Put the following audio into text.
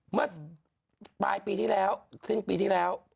เมื่อปลายปีที่แล้วสิ้นปีที่แล้ว